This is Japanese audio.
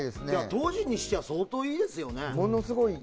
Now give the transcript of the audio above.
当時にしては相当いいですよね。